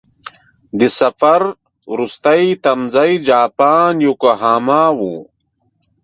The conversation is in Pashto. د سفر وروستی تمځی جاپان یوکوهاما و.